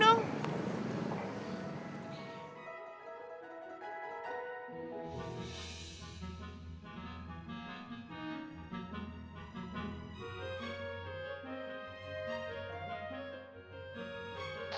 sialan gue mau pergi ke rumah